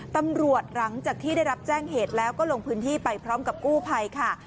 หลังจากที่ได้รับแจ้งเหตุแล้วก็ลงพื้นที่ไปพร้อมกับกู้ภัยค่ะ